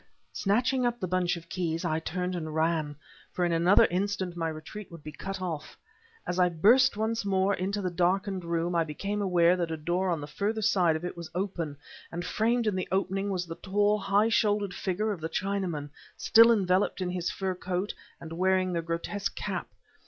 Snatching up the bunch of keys, I turned and ran, for in another instant my retreat would be cut off. As I burst once more into the darkened room I became aware that a door on the further side of it was open; and framed in the opening was the tall, high shouldered figure of the Chinaman, still enveloped in his fur coat and wearing the grotesque cap.